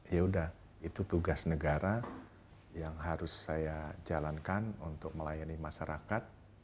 ya udah itu tugas negara yang harus saya jalankan untuk melayani masyarakat